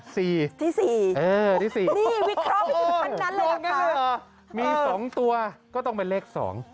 ที่๔นี่วิเคราะห์วิธีคันนั้นเลยหรือเปล่ามี๒ตัวก็ต้องเป็นเลข๒